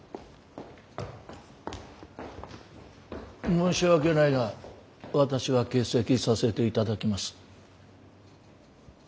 申し訳ないが私は欠席させていただきます。